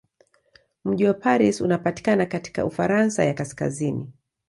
Mji wa Paris unapatikana katika Ufaransa ya kaskazini.